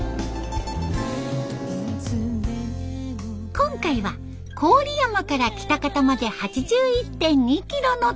今回は郡山から喜多方まで８１．２キロの旅。